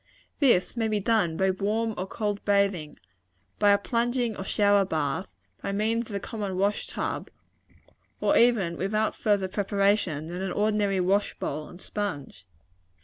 This may be done by warm or cold bathing; by a plunging or shower bath; by means of a common wash tub; and even without further preparation than an ordinary wash bowl and sponge.